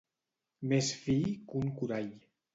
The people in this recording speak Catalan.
Més fi que un corall.